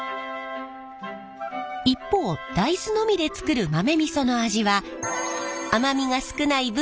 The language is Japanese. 一方大豆のみでつくる豆味噌の味は甘みが少ない分